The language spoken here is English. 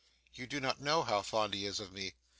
You do not know how fond he is of me!